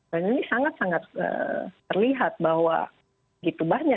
dan ini sangat sangat terlihat bahwa gitu banyak